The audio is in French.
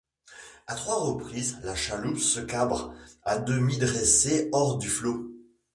À trois reprises la chaloupe se cabre, à demi dressée hors du flot.